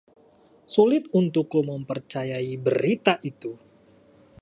Sulit untukku mempercayai berita itu.